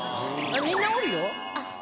みんな折るよ。